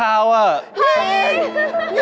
ถามพี่ปีเตอร์